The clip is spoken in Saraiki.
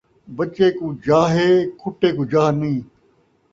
بچے کوں جاہ ہے، کھُٹے کوں جاہ نئیں